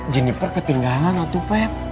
jeniper ketinggalan atuh pep